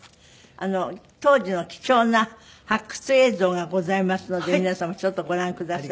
当時の貴重な発掘映像がございますので皆様ちょっとご覧ください。